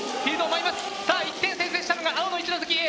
さあ１点先制したのが青の一関Ａ。